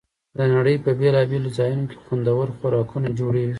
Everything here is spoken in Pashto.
د نړۍ په بېلابېلو ځایونو کې خوندور خوراکونه جوړېږي.